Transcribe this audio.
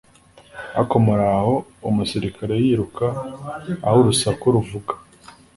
Ariko muraho Umusirikare yiruka aho urusaku ruvuga